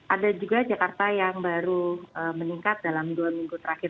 ada juga jakarta yang baru meningkat dalam dua minggu terakhir